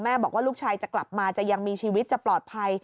บอกว่าลูกชายจะกลับมาจะยังมีชีวิตจะปลอดภัย